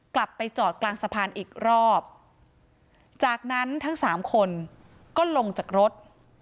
กลับไปจอดกลางสะพานอีกรอบจากนั้นทั้งสามคนก็ลงจากรถ